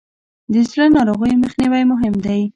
د زړه ناروغیو مخنیوی مهم دی.